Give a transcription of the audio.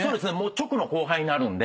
直の後輩になるんで。